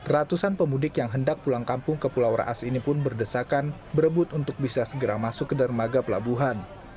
ratusan pemudik yang hendak pulang kampung ke pulau raas ini pun berdesakan berebut untuk bisa segera masuk ke dermaga pelabuhan